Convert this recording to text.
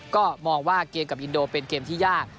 ก็มองว่าเกมกับอินโดเป็นเกมที่ยาก